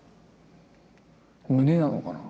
胸なのかな？